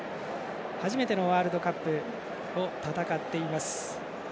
初めてのワールドカップを戦っています。